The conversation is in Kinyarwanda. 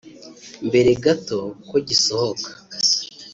Mbere gato ko gisohoka